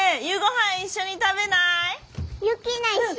夕ごはん一緒に食べない？